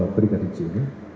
berita di sini